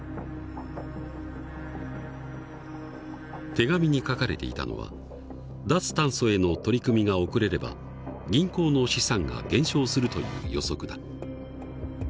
手紙に書かれていたのは脱炭素への取り組みが遅れれば銀行の資産が減少するという予測だ。